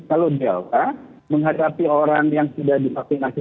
kalau delta menghadapi orang yang sudah divaksinasi